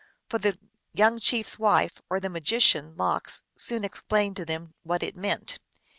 But the young chief s wife, or the magician Lox, soon explained to them what it meant.